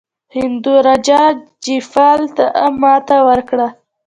هندو راجا جیپال ته ماته ورکړه.